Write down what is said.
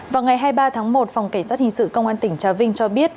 vào ngày hai mươi ba tháng một phòng cảnh sát hình sự công an tỉnh trà vinh cho biết